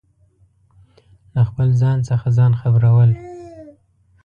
له خپل ځان څخه ځان خبرو ل